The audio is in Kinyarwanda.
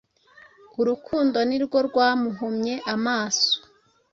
urukundo ari rwo rwamuhumye amaso,